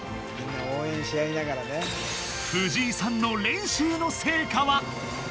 藤井さんの練習の成果は？